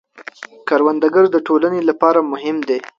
کروندګر د ټولنې لپاره مهم دی